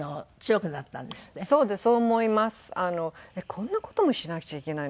こんな事もしなくちゃいけないの？